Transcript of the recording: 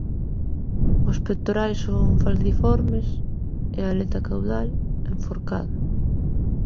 Os pectorais son falciformes e a aleta caudal en forcada.